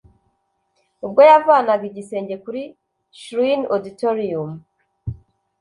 ubwo yavanaga igisenge kuri shrine auditorium